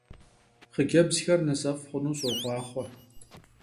Xhıcebzxer nısef' xhunu soxhuaxhue!